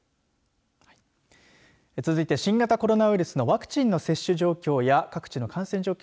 続いて新型コロナウイルスのワクチンの接種状況や各地の感染状況